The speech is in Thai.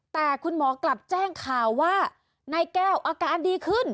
แต่คุณหมอกลับแจ้งข่าวว่านายแก้วอาการดีขึ้น